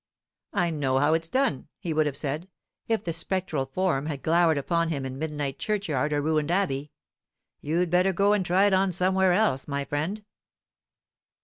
"I know how it's done," he would have said, if the spectral form had glowered upon him in midnight churchyard or ruined abbey. "You'd better go and try it on somewhere else, my friend."